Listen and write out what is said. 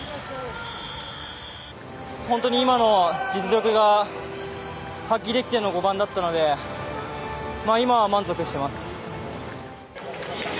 本当に今の実力が発揮できての５番だったので今は満足しています。